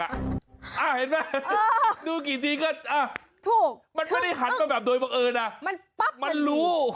อ้าวเห็นไหมดูกี่ทีก็มันไม่ได้หันมาแบบโดยบังเอิญนะมันรู้